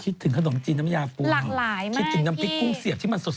คิดถึงขนมจีนน้ำยาปูหลากหลายมากที่คิดถึงน้ำพริกกุ้งเสียบที่มันสด